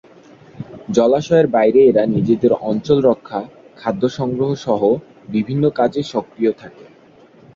জলাশয়ের বাইরে এরা নিজেদের অঞ্চল রক্ষা, খাদ্য গ্রহণ সহ বিভিন্ন কাজে সক্রিয় থাকে।